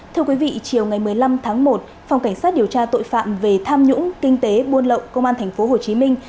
thưa quý vị chiều ngày một mươi năm tháng một phòng cảnh sát điều tra tội phạm về tham nhũng kinh tế buôn lậu công an thành phố hồ chí minh